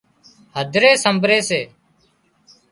هڌري سمڀري سي